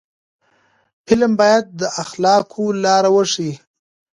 فلم باید د اخلاقو لار وښيي